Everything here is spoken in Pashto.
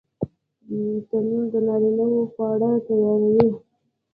تنور د نارینه وو خواړه تیاروي